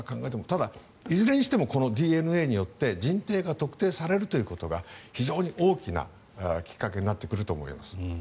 ただ、いずれにしてもこのＤＮＡによって人定が特定されるということが非常に大きなきっかけになってくると思います。